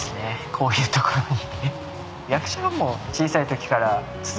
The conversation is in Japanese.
こういう所に。